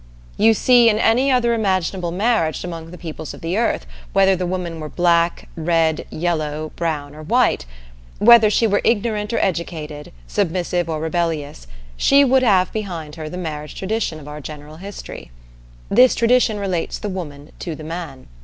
You see, in any other imaginable marriage among the peoples of the earth, whether the woman were black, red, yellow, brown, or white; whether she were ignorant or educated, submissive or rebellious, she would have behind her the marriage tradition of our general history. This tradition relates the woman to the man.